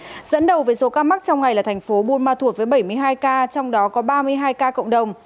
dẫn đầu về số ca mắc trong ngày là thành phố bulma thuộc với bảy mươi hai ca trong đó có ba mươi hai ca cộng đồng